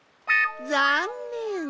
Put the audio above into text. ざんねん！